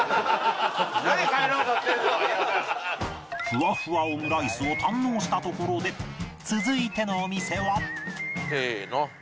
ふわふわオムライスを堪能したところで続いてのお店はせーの。